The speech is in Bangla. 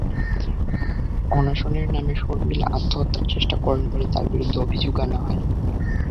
অনশনের নামে শর্মিলা আত্মহত্যার চেষ্টা করেন বলে তাঁর বিরুদ্ধে অভিযোগ আনা হয়।